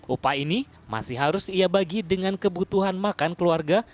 upah ini masih harus ia bagi dengan kebutuhan makan keluarga